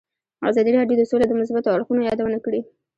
ازادي راډیو د سوله د مثبتو اړخونو یادونه کړې.